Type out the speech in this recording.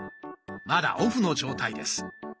まだオフの状態です。